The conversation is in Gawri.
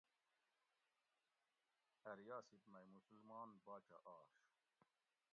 اۤ ریاسِت مئی مسلمان باچہ آش